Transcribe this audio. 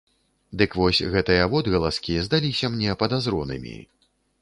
Дык вось гэтыя водгаласкі здаліся мне падазронымі.